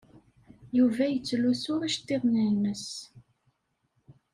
Yuba yettlusu iceḍḍiḍen-nnes.